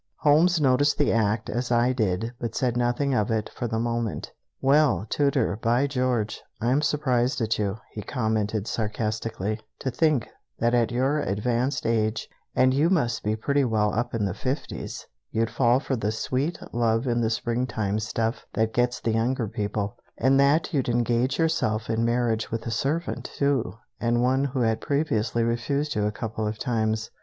Holmes noticed the act, as did I, but said nothing of it for the moment. "Well, Tooter, by George, I'm surprised at you," he commented sarcastically; "to think that at your advanced age, and you must be pretty well up in the fifties, you'd fall for the sweet love in the springtime stuff that gets the younger people, and that you'd engage yourself in marriage with a servant, too, and one who had previously refused you a couple of times.